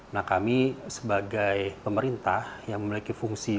nah kami sebagai pemerintah yang memiliki fungsi